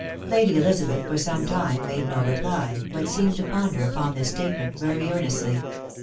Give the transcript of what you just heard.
Lady Elizabeth for some time made no reply, but seemed to ponder upon this statement very earnestly.